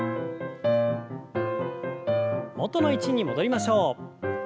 元の位置に戻りましょう。